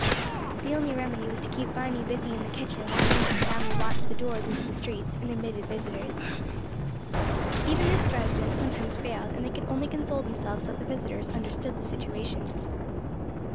The only remedy was to keep Viny busy in the kitchen while some of the family watched the doors into the streets and admitted visitors. Even this stratagem sometimes failed and they could only console themselves that the visitors understood the situation.